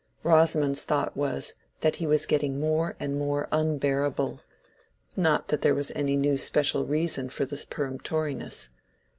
Rosamond's thought was, that he was getting more and more unbearable—not that there was any new special reason for this peremptoriness.